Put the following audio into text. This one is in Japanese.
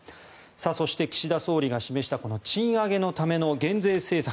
そして岸田総理が示した賃上げのための減税政策